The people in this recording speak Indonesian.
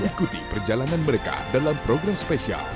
ikuti perjalanan mereka dalam program spesial